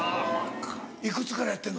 いくつからやってるの？